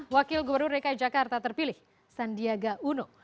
wakil gubernur dki jakarta terpilih sandiaga uno